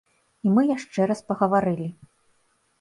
І мы яшчэ раз пагаварылі.